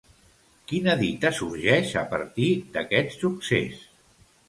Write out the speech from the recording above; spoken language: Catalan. Quina dita sorgeix a partir d'aquest succés?